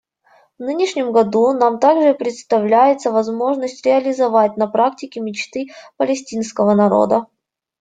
В нынешнем году нам также предоставляется возможность реализовать на практике мечты палестинского народа.